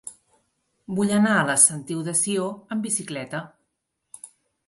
Vull anar a la Sentiu de Sió amb bicicleta.